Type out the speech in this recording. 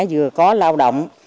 vừa có lao động